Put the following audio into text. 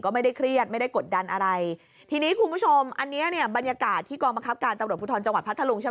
ไม่ครับไม่หนักใจอะไรเลยครับ